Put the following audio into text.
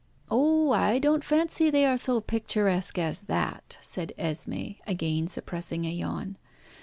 "Oh! I don't fancy they are so picturesque as that," said Esmé, again suppressing a yawn.